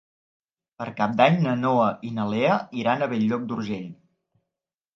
Per Cap d'Any na Noa i na Lea iran a Bell-lloc d'Urgell.